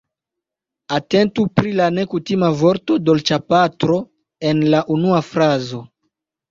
Atentu pri la nekutima vorto dolĉapatro en la unua frazo.